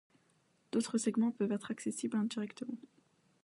D'autres segments peuvent être accessibles indirectement.